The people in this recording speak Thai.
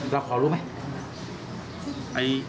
เราขอรู้ไหม